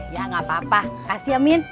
ya nggak apa apa kasih ya min